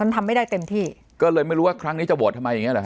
ทำไม่ได้เต็มที่ก็เลยไม่รู้ว่าครั้งนี้จะโหวตทำไมอย่างเงี้เหรอฮ